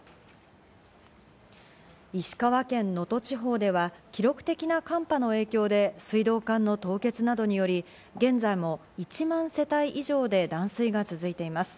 石川県能登地方では記録的な寒波の影響で、水道管の凍結などにより、現在も１万世帯以上で断水が続いています。